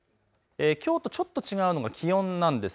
きょうとちょっと違うのは気温なんです。